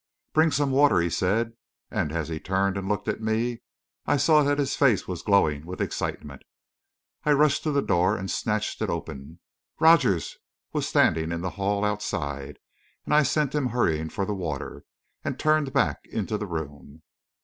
"Bring some water," he said, and as he turned and looked at me, I saw that his face was glowing with excitement. I rushed to the door and snatched it open. Rogers was standing in the hall outside, and I sent him hurrying for the water, and turned back into the room.